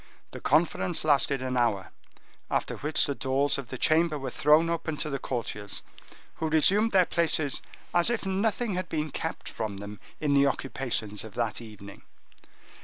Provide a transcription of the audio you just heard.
The conference lasted an hour; after which the doors of the chamber were thrown open to the courtiers, who resumed their places as if nothing had been kept from them in the occupations of that evening.